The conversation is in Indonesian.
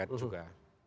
mas robert juga